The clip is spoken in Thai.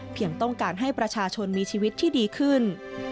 ต้องการให้ประชาชนมีชีวิตที่ดีขึ้น